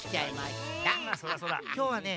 きょうはね